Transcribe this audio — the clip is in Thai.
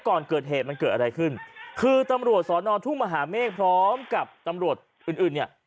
ก่อนเกิดเหตุมันเกิดอะไรขึ้นคือตำรวจสอนอทุ่งมหาเมฆพร้อมกับตำรวจอื่นอื่นเนี่ย